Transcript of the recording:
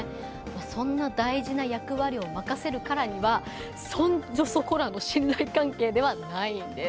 そんな大事な役割を任せるからにはそんじょそこらの信頼関係ではないんです。